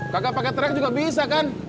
kakak pakai teriak juga bisa kan